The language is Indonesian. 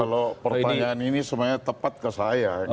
kalau pertanyaan ini sebenarnya tepat ke saya